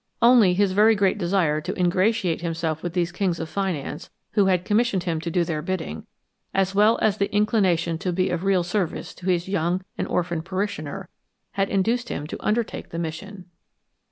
Only his very great desire to ingratiate himself with these kings of finance, who had commissioned him to do their bidding, as well as the inclination to be of real service to his young and orphaned parishioner, had induced him to undertake the mission.